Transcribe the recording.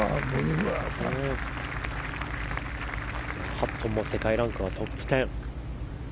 ハットンも世界ランクはトップ１０。